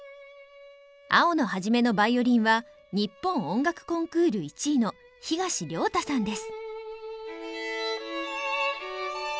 青野一のヴァイオリンは日本音楽コンクール１位の東亮汰さんです。